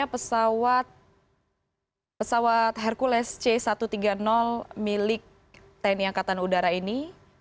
dan dengan berangkatnya pesawat hercules c satu ratus tiga puluh milik tni angkatan udara ini